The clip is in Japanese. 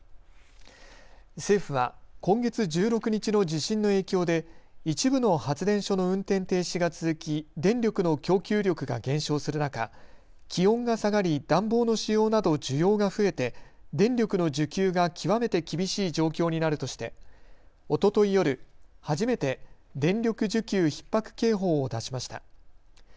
政府は今月１６日の地震の影響で一部の発電所の運転停止が続き電力の供給力が減少する中、気温が下がり暖房の使用など需要が増えて電力の需給が極めて厳しい状況になるとしておととい夜、初めて電力需給ひっ迫警報を出しました。